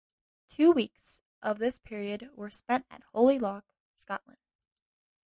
Two weeks of this period were spent at Holy Loch, Scotland.